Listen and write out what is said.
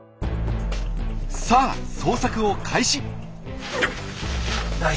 さあ捜索を開始！